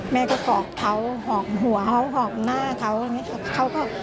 แม่ก็กอกเท้าหอมหัวเหาะหอมหน้าเท้า